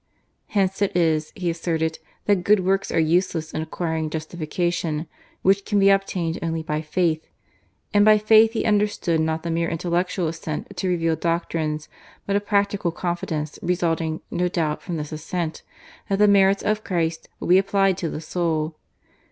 Hence it is, he asserted, that good works are useless in acquiring justification, which can be obtained only by faith; and by faith he understood not the mere intellectual assent to revealed doctrines, but a practical confidence, resulting, no doubt, from this assent, that the merits of Christ will be applied to the soul.